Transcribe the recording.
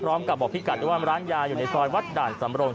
บอกพี่กัดด้วยว่าร้านยาอยู่ในซอยวัดด่านสำรง